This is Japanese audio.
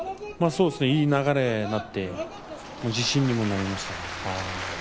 いい流れになって自信にもなりました。